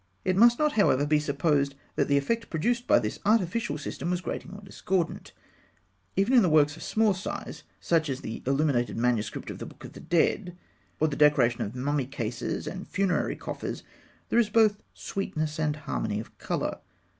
It must not, however, be supposed that the effect produced by this artificial system was grating or discordant. Even in works of small size, such as illuminated MSS. of The Book of the Dead, or the decoration of mummy cases and funerary coffers, there is both sweetness and harmony of colour.